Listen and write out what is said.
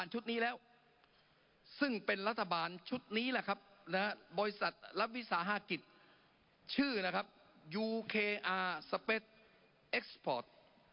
ชื่อนะครับยูเคอาร์สเป็ดเอ็กซ์พอร์ต